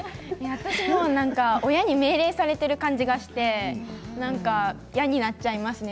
私も親に命令されている感じがして嫌になっちゃいますね。